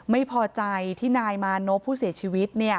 ไม่พอใจที่นายมานพผู้เสียชีวิต